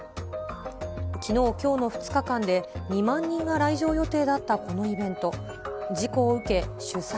きのう、きょうの２日間で２万人が来場予定だったこのイベント。